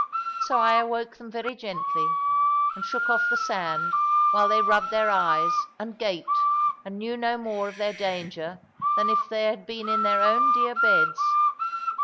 So I awoke them very gently, and shook off the sand, while they rubbed their eyes, and gaped, and knew no more of their danger than if they had been in their own dear beds.